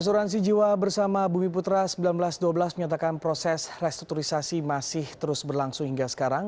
asuransi jiwa bersama bumi putra seribu sembilan ratus dua belas menyatakan proses restrukturisasi masih terus berlangsung hingga sekarang